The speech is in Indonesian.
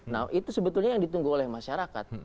nah itu sebetulnya yang ditunggu oleh masyarakat